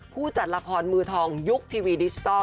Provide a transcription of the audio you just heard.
ผู้จัดละครมือทองยุคทีวีดิจิทัล